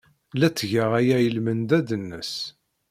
La ttgeɣ aya i lmendad-nnes.